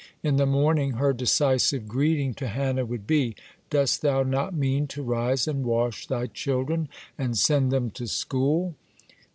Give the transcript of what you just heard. In the morning her derisive greeting to Hannah would be: "Dost thou not mean to rise and wash thy children, and send them to school?"